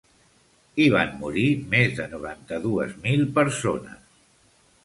Hi van morir més de noranta-dues mil persones.